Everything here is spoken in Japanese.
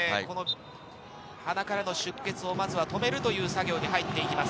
鼻からの出血をまずは止めるという作業に入っていきます。